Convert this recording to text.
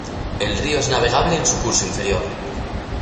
El río es navegable en su curso inferior.